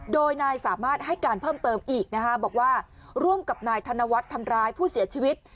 โดยนายสามารถให้การเพิ่มเติมอีกนะคะบอกว่าร่วมกับนายธนวัฒน์ทำร้ายผู้เสียชีวิต